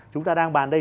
chúng ta đang bàn đây